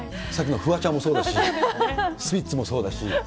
さっきのフワちゃんもそうですし、スピッツもそうだし。